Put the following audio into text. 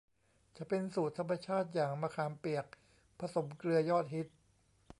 จะเป็นสูตรธรรมชาติอย่างมะขามเปียกผสมเกลือยอดฮิต